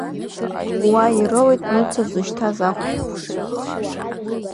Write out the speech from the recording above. Уа ироуит Нуца дзышьҭаз ахәшә.